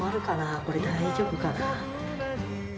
これ、大丈夫かな。